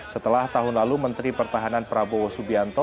setelah tahun lalu menteri pertahanan prabowo subianto